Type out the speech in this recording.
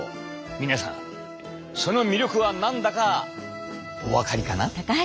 皆さんその魅力は何だかお分かりかな？